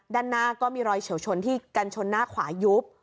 ด้านหน้าก็มีรอยเฉียวชนที่กันชนหน้าขวายุบ